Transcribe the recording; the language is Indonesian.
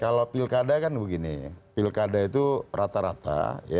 kalau pilkada kan begini pilkada itu rata rata